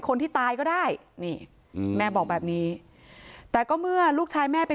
คนที่ตายก็ได้นี่แม่บอกแบบนี้แต่ก็เมื่อลูกชายแม่ไป